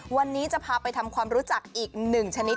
วันนี้จะพาไปทำความรู้จักอีก๑ชนิด